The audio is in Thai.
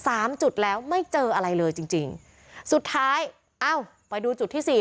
สามจุดแล้วไม่เจออะไรเลยจริงจริงสุดท้ายเอ้าไปดูจุดที่สี่